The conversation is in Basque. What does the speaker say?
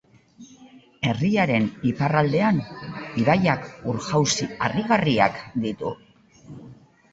Herriaren iparraldean, ibaiak ur-jauzi harrigarriak ditu.